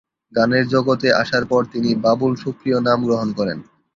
গানের জগতে আসার পর তিনি বাবুল সুপ্রিয় নাম গ্রহণ করেন।